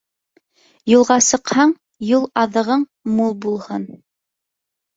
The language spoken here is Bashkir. Юлға сыҡһаң, юл аҙығың мул булһын.